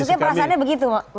maksudnya perasaannya begitu